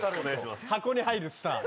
箱に入るスター。